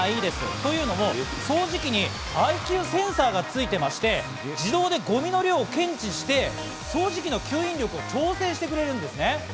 というのも掃除機にｉＱセンサーがついていまして、自動でゴミの量を検知して掃除機の吸引力を調整してくれるんですね。